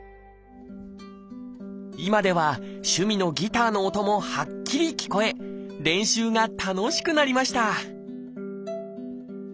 今では趣味のギターの音もはっきり聞こえ練習が楽しくなりました